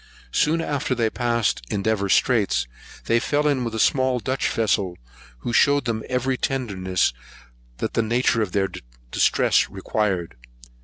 Soon after they had passed Endeavour Straits, they fell in with a small Dutch vessel, who shewed them every tenderness that the nature of their distress required.